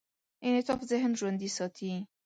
انعطاف ذهن ژوندي ساتي.